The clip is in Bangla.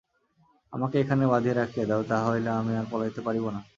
আমাকে এখানে বাঁধিয়া রাখিয়া যাও, তাহা হইলে আমি আর পলাইতে পারিব না।